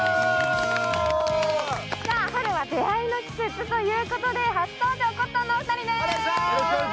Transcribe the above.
春は出会いの季節ということで、初登場、コットンのお二人です。